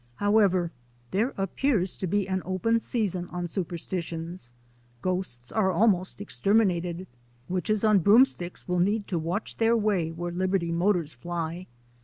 However, there appears to be an open season on superstitions. Ghosts are almost exterminated. Witches on broomsticks will need to watch their way where Liberty Motors fly.